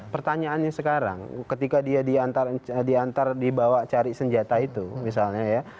pertanyaannya sekarang ketika diantar dibawa cari senjata itu misalnya ya